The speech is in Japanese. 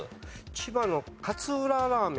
千葉の勝浦ラーメン。